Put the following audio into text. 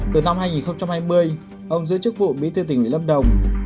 từ năm hai nghìn hai mươi ông giữ chức vụ bí thư tỉnh ủy lâm đồng